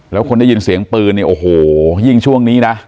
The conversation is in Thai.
แล้วคนได้ยินเสียงปืนเนี่ยโอ้โหยิ่งช่วงนี้นะ